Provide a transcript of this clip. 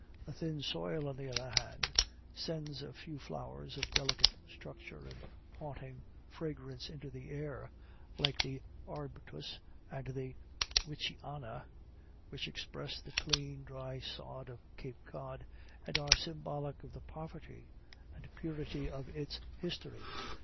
A thin soil, on the other hand, sends a few flowers of delicate structure and haunting fragrance into the air, like the arbutus and the witchiana, which express the clean, dry sod of Cape Cod, and are symbolic of the poverty and purity of its history.